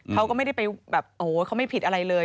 เขาก็ไม่ได้ไปแบบโอ้โหเขาไม่ผิดอะไรเลย